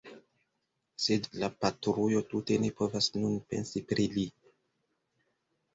Sed la patrujo tute ne povas nun pensi pri li.